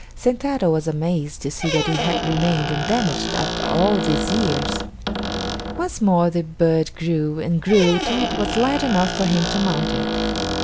Sentaro was amazed to see that it had remained undamaged after all these years. Once more the bird grew and grew till it was large enough for him to mount it.